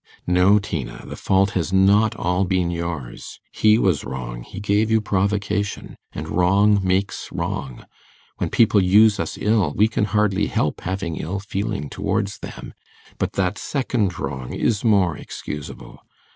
'No, Tina; the fault has not all been yours; he was wrong; he gave you provocation. And wrong makes wrong. When people use us ill, we can hardly help having ill feeling towards them. But that second wrong is more excusable.